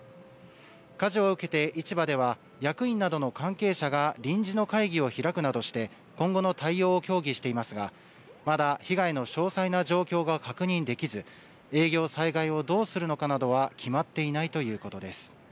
火事を受けて市場では役員などの関係者が臨時の会議を開くなどして今後の対応を協議していますがまだ被害の詳細な状況が確認できず営業再開をどうするのかなどは決まっていないということです。